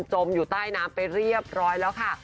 มอยู่ใต้น้ำไปเรียบร้อยแล้วค่ะ